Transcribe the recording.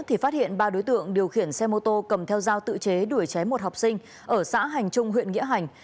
thì phát hiện ba đối tượng điều khiển xe mô tô cầm theo dao tự chế đuổi chém một học sinh ở xã hành trung huyện nghĩa hành